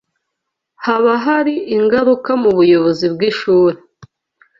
Haba hari ingaruka m’ubuyobozi bw'ishuri